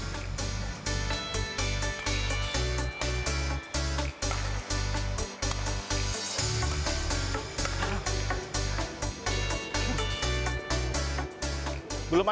bagaimana menurut anda